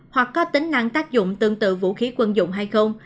hoặc có tính năng tác dụng tương tự vũ khí quân dụng hay không